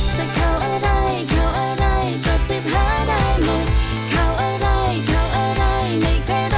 สามารถรับชมได้ทุกวัย